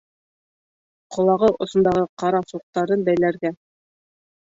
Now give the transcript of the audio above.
— Ҡолағы осондағы ҡара суҡтарын бәйләргә...